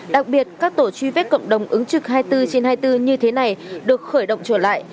đặc biệt các tổ truy vết cộng đồng ứng trực hai mươi bốn trên hai mươi bốn như thế này được khởi động trở lại